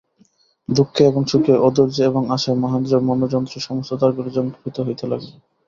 দুঃখে এবং সুখে, অধৈর্যে এবং আশায় মহেন্দ্রের মনোযন্ত্রের সমস্ত তারগুলা ঝংকৃত হইতে লাগিল।